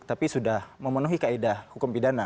tapi sudah memenuhi kaedah hukum pidana